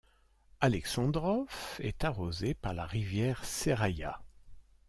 Aleksandrov est arrosée par la rivière Seraïa.